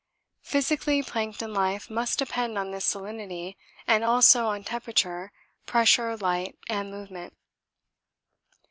Physically plankton life must depend on this salinity and also on temperature, pressure, light, and movement.